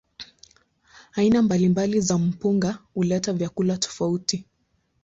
Aina mbalimbali za mpunga huleta vyakula tofauti.